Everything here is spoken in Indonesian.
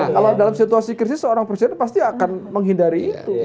kalau dalam situasi krisis seorang presiden pasti akan menghindari itu